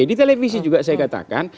di televisi juga saya katakan